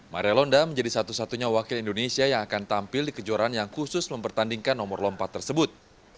maria londa menjadi satu satunya wakil indonesia yang akan tampil di kejuaraan yang khusus mempertandingkan nomor lompat tersebut